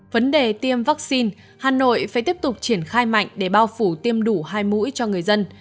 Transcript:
vấn đề tiêm vaccine hà nội phải tiếp tục triển khai mạnh để bao phủ tiêm đủ hai mũi cho người dân